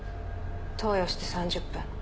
投与して３０分。